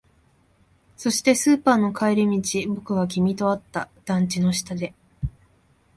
そして、スーパーの帰り道、僕は君と会った。団地の下で。